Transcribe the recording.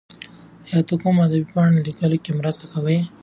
ایا ته د کوم ادبي پاڼې په لیکلو کې مرسته کوې؟